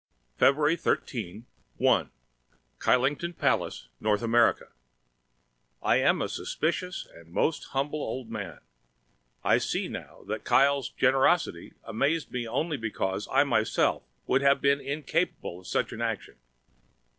February 13, 1 Kyleton Palace, North America I am a suspicious and most humble old man. I see now that Kyle's generosity amazed me only because I myself would have been incapable of such an action.